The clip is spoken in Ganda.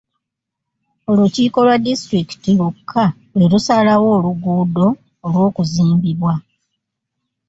Olukiiko lwa disitulikiti lwokka lwe lusalawo oluguudo olw'okuzimbibwa